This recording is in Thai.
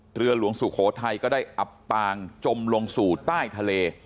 เรือหลวงสุโขทัยก็ได้อับปางจมลงสู่ใต้ทะเล